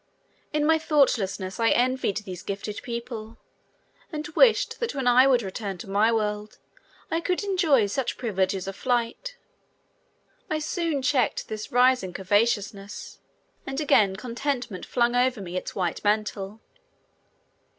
In my thoughtlessness I envied these gifted people and wished that when I would return to my world, I could enjoy such privileges of flight. I soon checked this rising covetousness, and again contentment flung over me its white mantle.